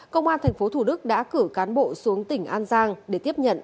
công an tp hcm đã cử cán bộ xuống tỉnh an giang để tiếp nhận